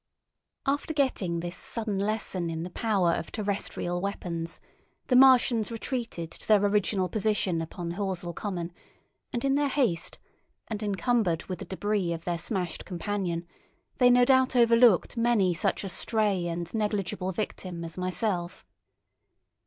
After getting this sudden lesson in the power of terrestrial weapons, the Martians retreated to their original position upon Horsell Common; and in their haste, and encumbered with the debris of their smashed companion, they no doubt overlooked many such a stray and negligible victim as myself.